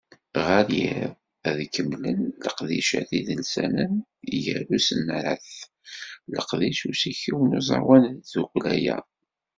Ɣer yiḍ, ad kemmlen leqdicat idelsanen, gar usenɛet n leqdic n usikew n uẓawan n tddukkla-a.